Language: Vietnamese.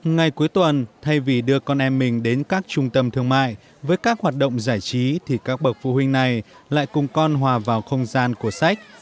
ngày cuối tuần thay vì đưa con em mình đến các trung tâm thương mại với các hoạt động giải trí thì các bậc phụ huynh này lại cùng con hòa vào không gian của sách